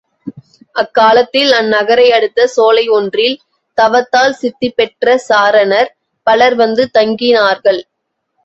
அக்காலத்தில் அந்நகரை அடுத்த சோலை ஒன்றில் தவத்தால் சித்திபெற்ற சாரணர் பலர் வந்து தங்கினார்கள்.